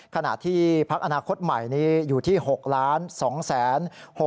ขณะที่พักอนาคตใหม่นี้อยู่ที่๖๒๖๕๙๑๘คะแนน